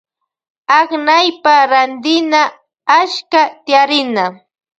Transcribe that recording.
Aknaypa rantina achka tiyarina.